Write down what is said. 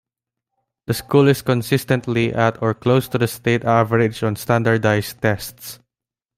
The school is consistently at or close to the state average on standardized tests.